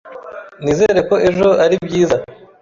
Nizere ko ejo ari byiza.